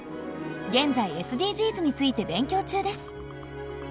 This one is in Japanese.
現在ＳＤＧｓについて勉強中です。